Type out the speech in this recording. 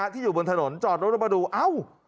ที่อยู่บนถนนจอดรถลงมาดูเอ้า